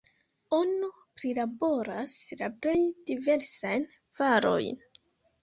Ono prilaboras la plej diversajn varojn.